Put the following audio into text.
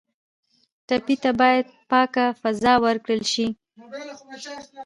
ټپي ته باید پاکه فضا ورکړل شي.